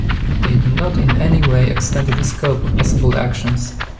They do not in any way extend the scope of possible actions.